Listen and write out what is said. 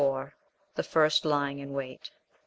The First Lying in Wait.